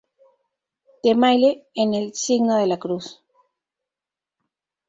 De Mille en "El signo de la cruz".